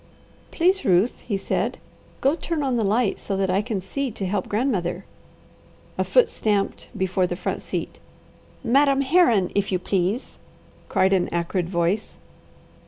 "Please, Ruth," he said, "go turn on the light so that I can see to help grandmother." A foot stamped before the front seat. "Madam Herron, if you please!" cried an acrid voice.